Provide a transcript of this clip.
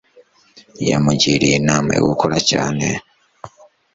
yamugiriye inama yo gukora cyane